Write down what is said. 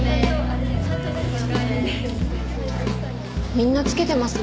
みんなつけてますね。